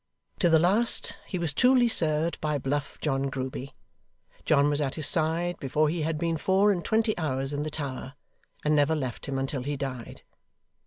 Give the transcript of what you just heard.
To the last, he was truly served by bluff John Grueby. John was at his side before he had been four and twenty hours in the Tower, and never left him until he died.